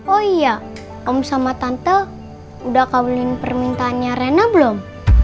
oh iya kamu sama tante udah kabelin permintaannya rena belum